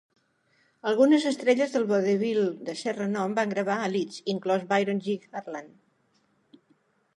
Algunes estrelles del vodevil de cert renom van gravar a Leeds, inclòs Byron G. Harlan.